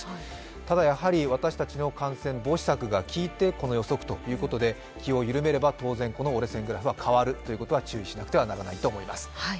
ただ、やはり私たちの感染防止策が効いてこの予測ということで、気を緩めれば当然、この折れ線グラフは変わるということを注意しなければならないと思います。